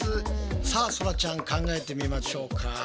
さあそらちゃん考えてみましょうか。